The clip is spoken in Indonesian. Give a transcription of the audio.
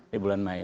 di bulan mei